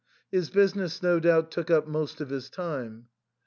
His business no doubt took up most of his time.